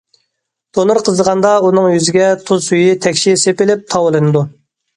تونۇر قىزىغاندا ئۇنىڭ يۈزىگە تۇز سۈيى تەكشى سېپىلىپ تاۋلىنىدۇ.